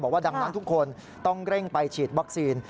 บอกว่าดังนั้นทุกคนต้องเร่งไปฉีดวัคซีน